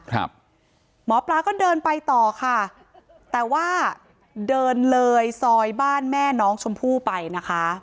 หมอปลาก็เดินไปต่อค่ะแต่ว่าเดินเลยซอยบ้านแม่น้องชมพู่ไปนะคะ